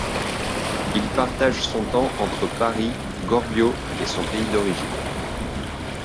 Il partage son temps entre Paris, Gorbio et son pays d'origine.